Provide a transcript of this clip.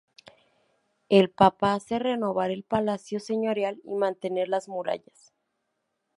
El papa hace renovar el palacio señorial y mantener las murallas.